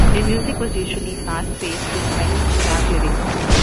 Their music was usually fast-paced with violent and dark lyrics.